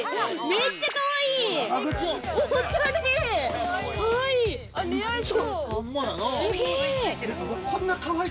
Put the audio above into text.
めっちゃかわいい。